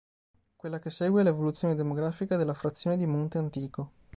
Quella che segue è l'evoluzione demografica della frazione di Monte Antico.